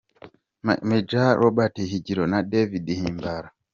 Major Robert Higiro na David Himbara